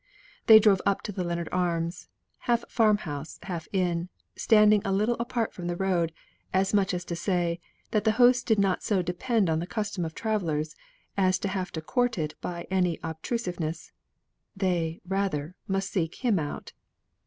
They drove up to the Lennard Arms; half farm house, half inn, standing a little apart from the road, as much as to say, that the host did not so depend on the custom of travellers, as to have to court it by any obtrusiveness; they, rather, must seek him out.